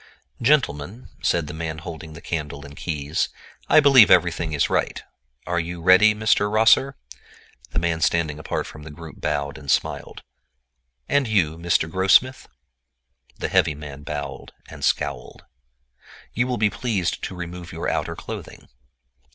"Gentlemen," said the man holding the candle and keys, "I believe everything is right. Are you ready, Mr. Rosser?" The man standing apart from the group bowed and smiled. "And you, Mr. Grossmith?" The heavy man bowed and scowled. "You will be pleased to remove your outer clothing."